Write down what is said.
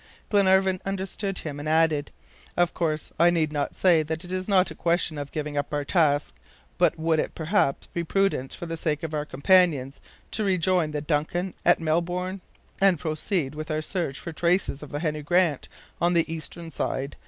Glenarvan understood him and added, "Of course I need not say that it is not a question of giving up our task; but would it perhaps be prudent, for the sake of our companions, to rejoin the DUNCAN at Melbourne, and proceed with our search for traces of Harry Grant on the eastern side.